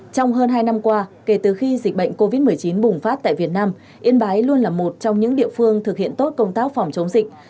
trong hơn hai năm qua kể từ khi dịch bệnh covid một mươi chín bùng phát tại việt nam yên bái luôn là một trong những địa phương thực hiện tốt công tác phòng chống dịch